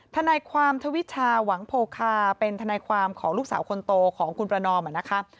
ทนายความทวิชาหวังโพคาเป็นทนายความของลูกสาวคนโตของคุณประนอมนะคะ